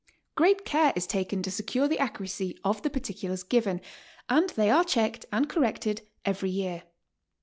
Great care is taken to secure the accuracy of the particulars given, and they are checked and corrected every .year.